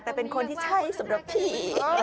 แต่เป็นคนที่ใช่สำหรับผี